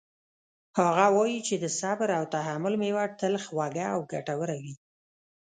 هغه وایي چې د صبر او تحمل میوه تل خوږه او ګټوره وي